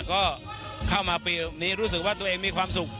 ก็เข้ามาปีนี้รู้สึกว่าตัวเองมีความสุข